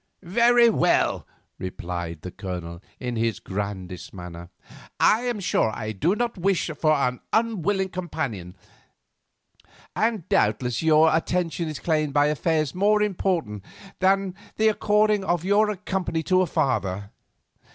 "Very well," replied the Colonel in his grandest manner. "I am sure I do not wish for an unwilling companion, and doubtless your attention is claimed by affairs more important than the according of your company to a father."